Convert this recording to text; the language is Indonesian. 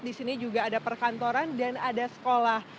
di sini juga ada perkantoran dan ada sekolah